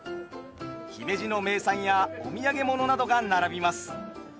姫路の名産やお土産物などが並びます。